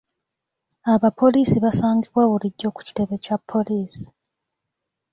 Abapoliisi basangibwa bulijjo ku kitebe Kya poliisi.